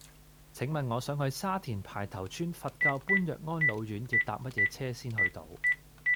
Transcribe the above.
請問我想去沙田排頭村佛教般若安老院要搭乜嘢車先去到